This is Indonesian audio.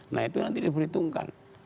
nah itu nanti diberitukan